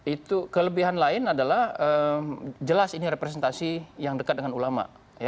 itu kelebihan lain adalah jelas ini representasi yang dekat dengan ulama